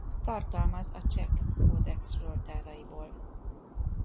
Tartalmaz a Czech-kódex zsoltáraiból.